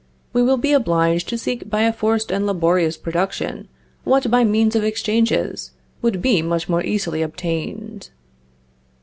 We will be obliged to seek by a forced and laborious production, what, by means of exchanges, would be much more easily obtained.